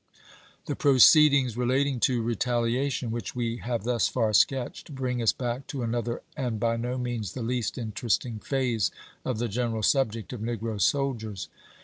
The proceedings relating to retaliation, which we have thus far sketched, bring us back to another and by no means the least interesting phase of the general subject of negro soldiers.